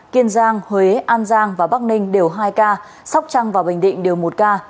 kiên giang huế an giang và bắc ninh đều hai ca sóc trăng và bình định đều một ca